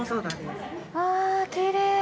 あー、きれい。